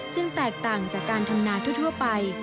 แตกต่างจากการทำนาทั่วไป